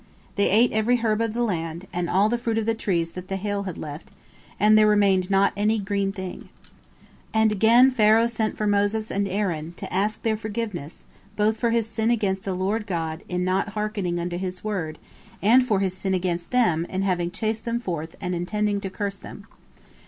They ate every herb of the land, and all the fruit of the trees that the hail had left, and there remained not any green thing. And again Pharaoh sent for Moses and Aaron, to ask their forgiveness, both for his sin against the Lord God, in not having hearkened unto His word, and for his sin against them, in having chased them forth and intended to curse them.